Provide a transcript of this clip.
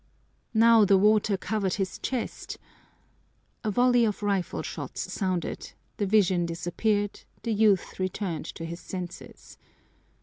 Now the water covered his chest a volley of rifle shots sounded, the vision disappeared, the youth returned to his senses.